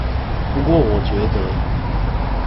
不過我覺得